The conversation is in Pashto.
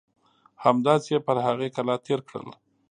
همداسې یې پر هغې کلا تېر کړل.